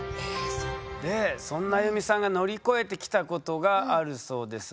そんな安祐美さんが乗り越えてきたことがあるそうです。